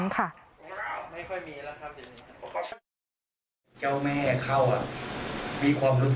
เจ้าแม่เข้ามีความรู้สึกว่าอย่างไร